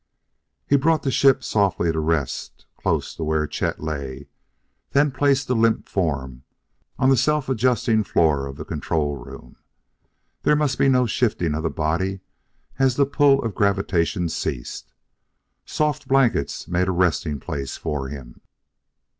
He brought the ship softly to rest close to where Chet lay, then placed the limp form on the self adjusting floor of the control room. There must be no shifting of the body as the pull of gravitation ceased. Soft blankets made a resting place for him.